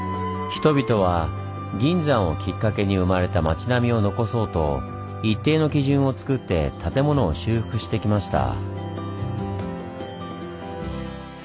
人々は銀山をきっかけに生まれた町並みを残そうと一定の基準をつくって建物を修復してきました。